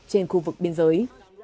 trên khu vực biên giới